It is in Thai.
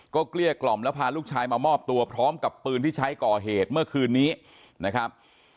เกลี้ยกล่อมแล้วพาลูกชายมามอบตัวพร้อมกับปืนที่ใช้ก่อเหตุเมื่อคืนนี้นะครับ